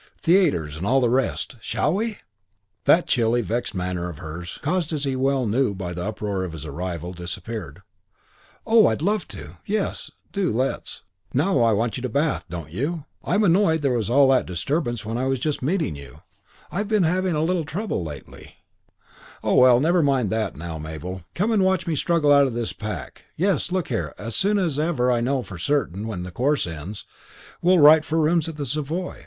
Theatres and all the rest of it. Shall we?" That chilly, vexed manner of hers, caused as he well knew by the uproar of his arrival, disappeared. "Oh, I'd love to. Yes, do let's. Now you want a bath, don't you? I'm annoyed there was all that disturbance just when I was meeting you. I've been having a little trouble lately " "Oh, well, never mind that now, Mabel. Come and watch me struggle out of this pack. Yes, look here, as soon as ever I know for certain when the course ends we'll write for rooms at the Savoy.